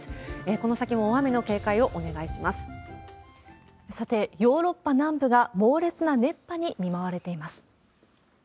この先も大雨の警戒をお願いしまさて、ヨーロッパ南部が猛烈な熱波に見舞われています。